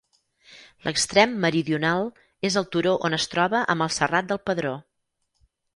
L'extrem meridional és el turó on es troba amb el Serrat del Pedró.